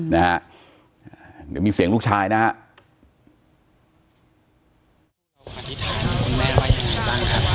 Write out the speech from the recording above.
จะมีเสียงลูกชายนะครับ